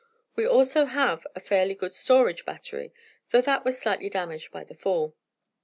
We also have a fairly good storage battery, though that was slightly damaged by the fall."